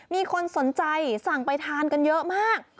มีคนสนใจสั่งไปทานกันเยอะมาก